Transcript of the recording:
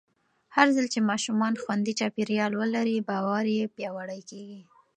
هرځل چې ماشومان خوندي چاپېریال ولري، باور یې پیاوړی کېږي.